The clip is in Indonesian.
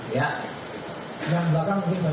itu untuk penjualan